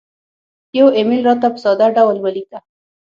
یو ایمیل راته په ساده ډول ولیکه